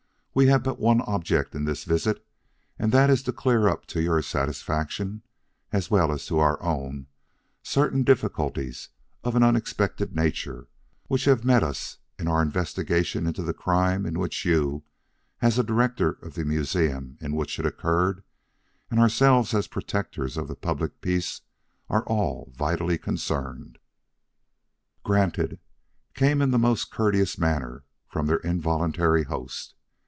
We have but one object in this visit and that is to clear up to your satisfaction, as well as to our own, certain difficulties of an unexpected nature which have met us in our investigation into the crime in which you, as a director of the museum in which it occurred, and ourselves as protectors of the public peace, are all vitally concerned." "Granted," came in the most courteous manner from their involuntary host.